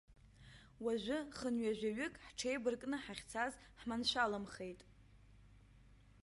Уажәы хынҩажәаҩык ҳҽеибаркны ҳахьцаз, ҳманшәаламхеит.